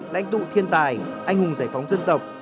lãnh tụ thiên tài anh hùng giải phóng dân tộc